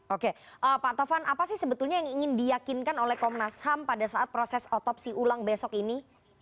oke pak tovan apa sih sebetulnya yang ingin diyakinkan oleh komnas ham pada saat proses otopsi ulang besok ini